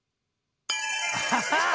アハハッ！